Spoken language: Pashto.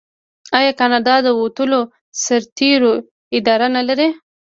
آیا کاناډا د وتلو سرتیرو اداره نلري؟